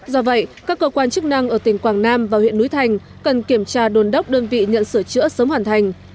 do vậy các cơ quan chức năng ở tỉnh quảng nam và huyện núi thành cần kiểm tra đồn đốc đơn vị nhận sửa chữa sớm hoàn thành